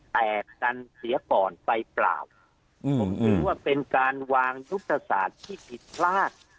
แตกกันเสียก่อนไฟเปล่าผมถือว่าเป็นการวางยุทธศาสตร์ที่ผิดพลาด